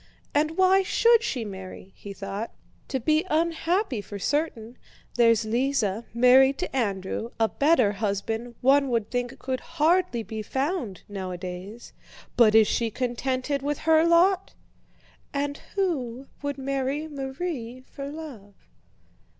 "And why should she marry?" he thought. "To be unhappy for certain. There's Lise, married to Andrew—a better husband one would think could hardly be found nowadays—but is she contented with her lot? And who would marry Marie for love?